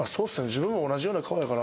自分も同じような顔だから。